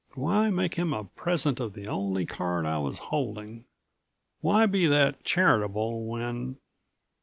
Why make him a present of the only card I was holding? Why be that charitable when